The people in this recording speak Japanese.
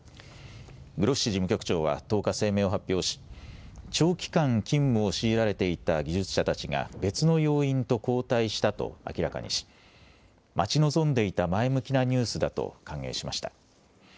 グロッシ事務局長は１０日、声明を発表し長期間、勤務を強いられていた技術者たちが別の要員と交代したと明らかにし待ち望んでいた前向きなニュースだと歓迎しました。